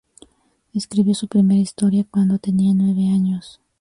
Escribió su primera historia cuando tenía nueve años.